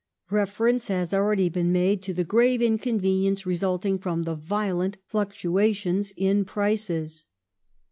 Reference hsis already been made to the grave inconvenience resulting from the violent fluctuations in prices.